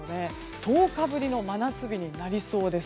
１０日ぶりの真夏日になりそうです。